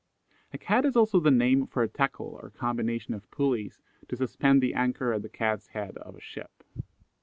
A Cat is also the name for a tackle or combination of pulleys, to suspend the anchor at the cat's head of a ship.